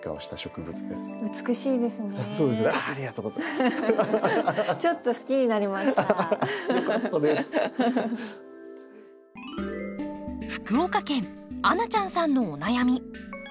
福岡県あなちゃんさんのお悩み。